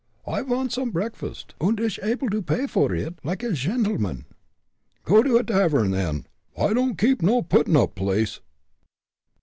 "I vants some preakfast, und ish able to pay vor id like a shendleman." "Go to a tavern, then. I don't keep no puttin' up place."